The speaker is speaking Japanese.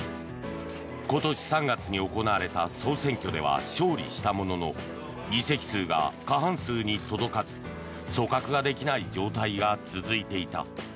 今年３月に行われた総選挙では勝利したものの議席数が過半数に届かず組閣ができない状態が続いていた。